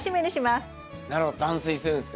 なるほど断水するんですね。